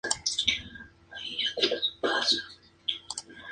Es dueña del estudio de tatuajes ""High Voltage tattoo"".